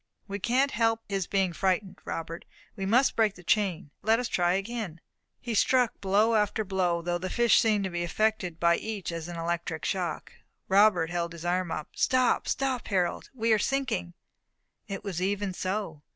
"We can't help his being frightened, Robert. We must break the chain. Let us try again." He struck blow after blow, though the fish seemed to be affected by each as by an electric shock. Robert held back his arm. "Stop! stop! Harold, we are sinking!" It was even so.